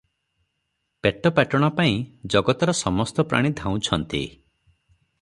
ପେଟ ପାଟଣା ପାଇଁ ଜଗତର ସମସ୍ତପ୍ରାଣୀ ଧାଉଁଛନ୍ତି ।